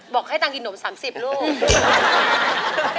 บอกให้ต่างกินหนมสามสิบลูก